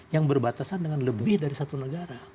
yang berbatasan dengan lebih dari satu negara